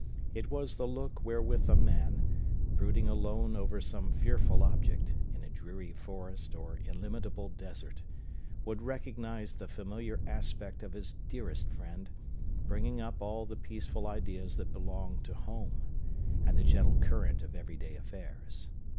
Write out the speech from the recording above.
It was the look wherewith a man, brooding alone over some fearful object, in a dreary forest or illimitable desert, would recognize the familiar aspect of his dearest friend, bringing up all the peaceful ideas that belong to home, and the gentle current of every day affairs.